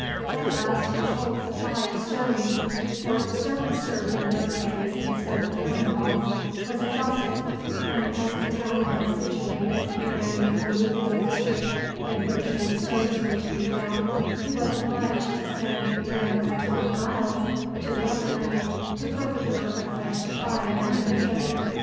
At last his whole supply of stones for stones served in those days instead of cannon balls was exhausted, and as the town was situated in an alluvial district, in which no stones were to be found, he was obliged to send ten or twelve miles to the upland to procure a fresh supply of ammunition.